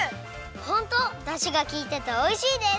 ホントだしがきいてておいしいです！